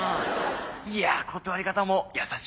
いや断り方も優しいね。